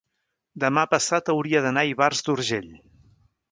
demà passat hauria d'anar a Ivars d'Urgell.